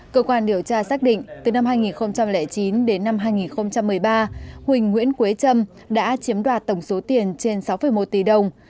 cơ quan điều tra xác định từ năm hai nghìn chín đến năm hai nghìn một mươi ba huỳnh nguyễn quế trâm đã chiếm đoạt tổng số tiền trên sáu một tỷ đồng